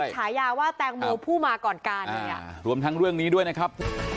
ฉายาว่าแตงโมผู้มาก่อนการเนี่ยรวมทั้งเรื่องนี้ด้วยนะครับ